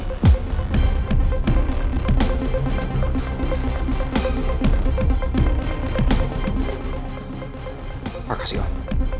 terima kasih om